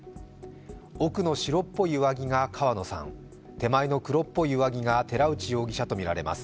奥の白っぽい上着が川野さん、手前の黒っぽい上着が寺内容疑者とみられます。